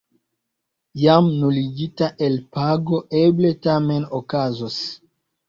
Jam nuligita elpago eble tamen okazos.